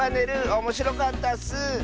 おもしろかったッス！